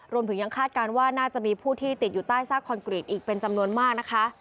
รวมถึงยังคาดการณ์ว่าน่าจะมีผู้ที่ติดอยู่ใต้ซากคอนกรีตอีกเป็นจำนวนมากนะคะ